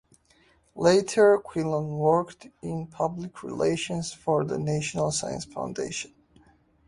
Later, Quinlan worked in public relations for the National Science Foundation.